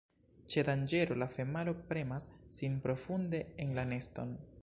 Ĉe danĝero, la femalo premas sin profunde en la neston.